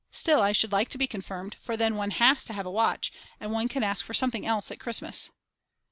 Still I should like to be confirmed, for then one has to have a watch, and one can ask for something else at Christmas.